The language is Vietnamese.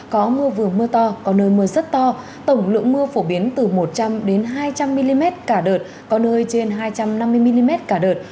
có mưa vừa mưa to có nơi mưa rất to tổng lượng mưa phổ biến từ một trăm linh hai trăm linh mm cả đợt có nơi trên hai trăm năm mươi mm cả đợt